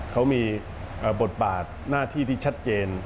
เขามีบทบาทหน้าที่ที่ชัดเจน